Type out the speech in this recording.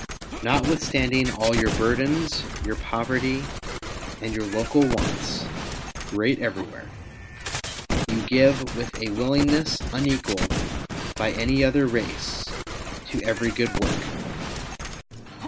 Notwithstanding all your burdens, your poverty, and your local wants — great everywhere — you give with a willingness unequalled by any other race, to every good work.